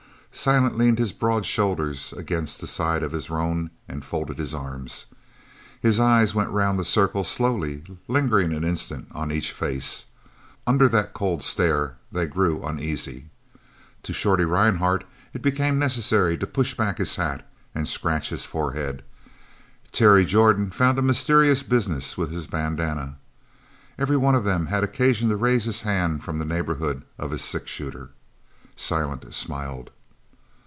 Silent leaned his broad shoulders against the side of his roan and folded his arms. His eyes went round the circle slowly, lingering an instant on each face. Under that cold stare they grew uneasy. To Shorty Rhinehart it became necessary to push back his hat and scratch his forehead. Terry Jordan found a mysterious business with his bandana. Every one of them had occasion to raise his hand from the neighbourhood of his six shooter. Silent smiled.